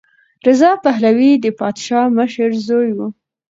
رضا پهلوي د پادشاه مشر زوی و.